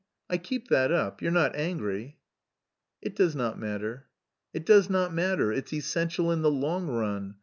I keep that up, you're not angry?" "It does not matter." "It does not matter; it's essential in the long run.